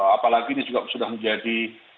apalagi ini juga sudah menjadi